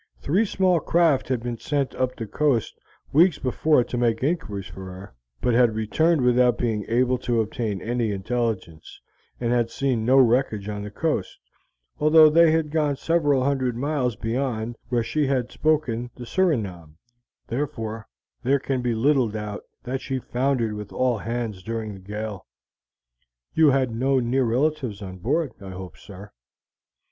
Three small craft had been sent up the coast weeks before to make inquiries for her, but had returned without being able to obtain any intelligence, and had seen no wreckage on the coast, although they had gone several hundred miles beyond where she had spoken the Surinam, therefore there can be little doubt that she foundered with all hands during the gale. You had no near relatives on board, I hope, sir?"